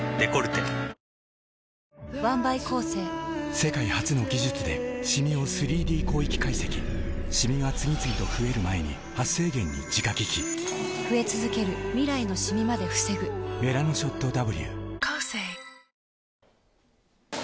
世界初の技術でシミを３Ｄ広域解析シミが次々と増える前に「メラノショットＷ」